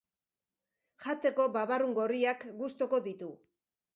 Jateko, babarrun gorriak gustoko ditu.